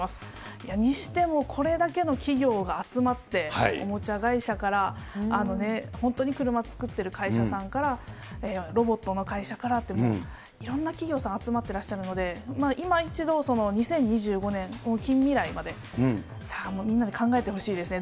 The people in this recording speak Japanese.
いや、にしても、これだけの企業が集まって、おもちゃ会社から本当に車作ってる会社さんから、ロボットの会社からって、もう、いろんな企業さん集まってらっしゃるので、今一度、２０２５年、近未来まで、さあもうみんなで考えてほしいですね。